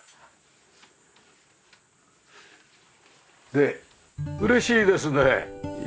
で嬉しいですね。